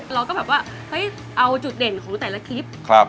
เราก็แบบว่าเฮ้ยเอาจุดเด่นของแต่ละคลิป